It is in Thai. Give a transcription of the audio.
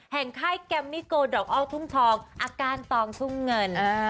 ค่ายแกมมิโกดอกอ้อทุ่งทองอาการตองทุ่งเงิน